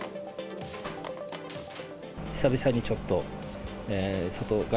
久々にちょっと、外、